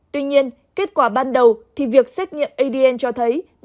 tuy nhiên kết quả ban đầu thì việc xét nghiệm adn của cháu l đã được phục vụ công tác điều tra